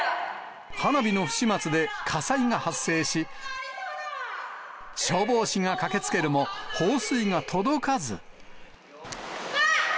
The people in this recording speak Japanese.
花火の不始末で火災が発生し、消防士が駆けつけるも、放水が届かず。